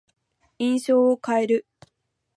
印象を変える。